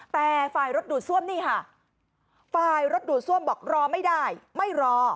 แต่ฝ่ายรถดูดซ่วมนี่ค่ะฝ่ายรถดูดซ่วมบอกรอไม่ได้ไม่รอ